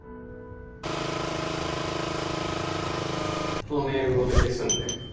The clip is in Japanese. このメールごと消すので。